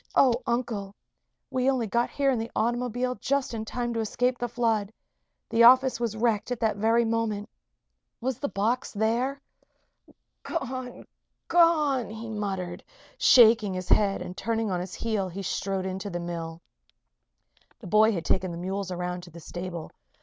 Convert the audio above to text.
"Oh, Uncle! We only got here in the automobile just in time to escape the flood. The office was wrecked at that very moment. Was the box there?" "Gone! Gone!" he murmured, shaking his head; and turning on his heel, he strode into the mill. The boy had taken the mules around to the stable.